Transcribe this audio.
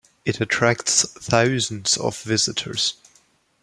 It attracts thousands of visitors.